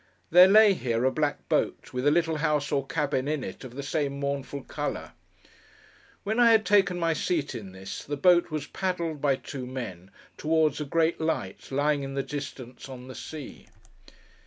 There lay here, a black boat, with a little house or cabin in it of the same mournful colour. When I had taken my seat in this, the boat was paddled, by two men, towards a great light, lying in the distance on the sea.